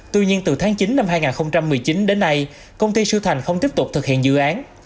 tuy nhiên từ tháng chín năm hai nghìn một mươi chín đến nay công ty siêu thành không tiếp tục thực hiện dự án